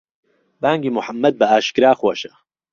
بانگی موحەممەد بەئاشکرا خۆشە.